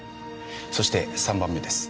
そして３番目です。